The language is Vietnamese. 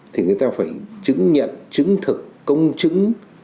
thì người ta phải chứng nhận chứng thực công chứng